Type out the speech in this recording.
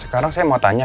sekarang saya mau tanya